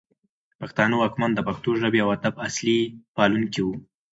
پښتانه واکمن د پښتو ژبې او ادب اصلي پالونکي وو